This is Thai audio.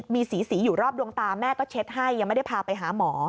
มีสีสีอยู่รอบดวงตาแม่ก็เช็ดให้ยังไม่ได้พาไปหาหมอ